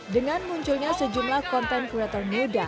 dengan munculnya sejumlah content creator muda